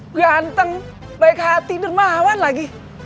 ganteng baik hati dan mawan lagi